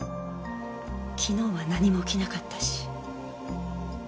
昨日は何も起きなかったし。